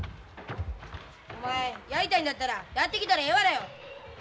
お前やりたいんだったらやってきたらええわらよ。